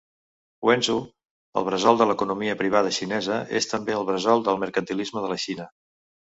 Wenzhou, el bressol de l'economia privada xinesa, és també el bressol del mercantilisme de la Xina.